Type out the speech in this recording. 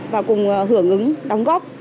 và cùng hưởng ứng đóng góp